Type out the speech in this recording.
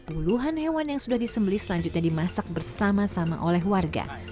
puluhan hewan yang sudah disembeli selanjutnya dimasak bersama sama oleh warga